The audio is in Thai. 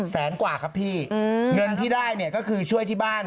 แสนกว่าครับพี่เงินที่ได้เนี่ยก็คือช่วยที่บ้าน